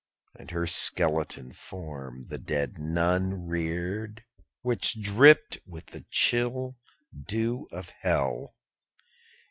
_85 16. And her skeleton form the dead Nun reared Which dripped with the chill dew of hell.